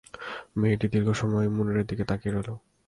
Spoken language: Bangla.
মেয়েটি দীর্ঘ সময় মুনিরের দিকে তাকিয়ে রইল।